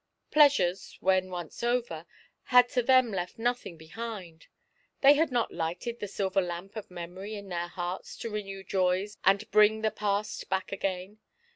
Pleasures, when once over, had to them left nothing behind ; they had not lighted the silver lamp of Memory in their hearts to renew joys and bring the past back again.